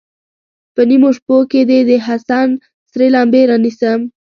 په نیمو شپو کې دې، د حسن سرې لمبې رانیسم